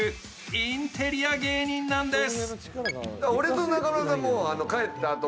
インテリア芸人なんです。